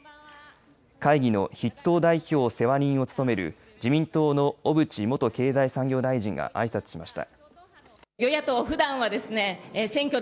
会議の筆頭代表世話人を務める自民党の小渕元経済産業大臣があいさつしました。